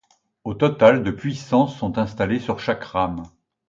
Au total, de puissance sont installés sur chaque rame.